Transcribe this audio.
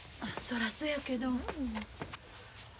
そらそうやけど。